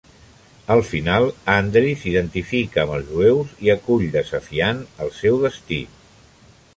Al final, Andri s'identifica amb els jueus i acull desafiant el seu destí.